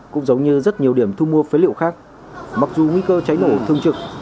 cũng giống như rất nhiều điểm thu mua phế liệu khác mặc dù nguy cơ cháy nổ thương trực